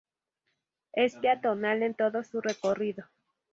Es peatonal en todo su recorrido.